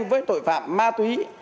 với tội phạm ma túy